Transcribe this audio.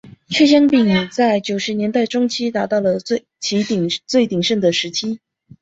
趣香饼家在九十年代中期达到了其最鼎盛的时期。